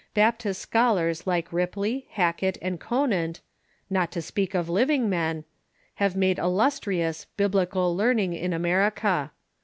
Baptist scholars like Ripley, Ilackett, and Conant — not to speak of living men — have made illustrious Biblical learn ing in America.